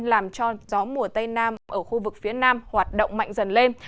làm cho gió mùa tây nam ở khu vực phía nam hoạt động mạnh dần lên